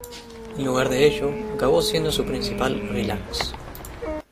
En lugar de ello acabó siendo su "principal relax".